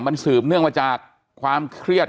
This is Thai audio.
มันสืบเนื่องมาจากความเครียด